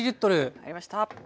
入りました。